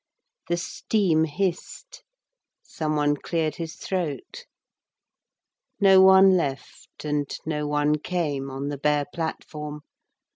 The steam hissed. Someone cleared his throat. No one left and no one came On the bare platform.